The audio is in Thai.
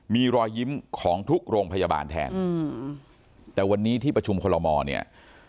มีรอยยิ้มของทุกโรงพยาบาลแทนแต่วันนี้ที่ประชุมคอลโมเนี่ย